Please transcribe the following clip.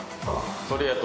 それやと。